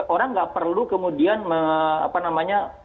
orang nggak perlu kemudian apa namanya